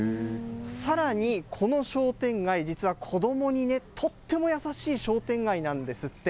さらにこの商店街、実は子どもにとっても優しい商店街なんですって。